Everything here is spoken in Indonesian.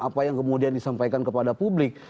apa yang kemudian disampaikan kepada publik